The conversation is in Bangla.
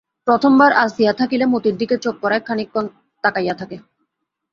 প্রথমবার আসিয়া থাকিলে মতির দিকে চোখ পড়ায় খানিকক্ষণ তাকাইয়া থাকে।